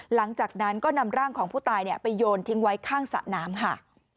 หลังจากนั้นก็นำร่างของผู้ตายไปโยนทิ้งไว้ข้างสระน้ำค่ะ